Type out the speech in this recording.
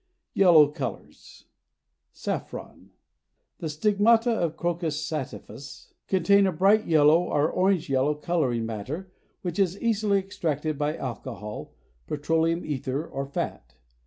YELLOW COLORS. Saffron. The stigmata of Crocus sativus contain a bright yellow or orange yellow coloring matter which is easily extracted by alcohol, petroleum ether, or fat.